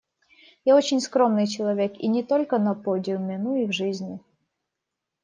Я очень скромный человек, и не только на подиуме, но и в жизни.